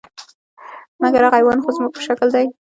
مګر هغه حیوان خو زموږ په شکل دی .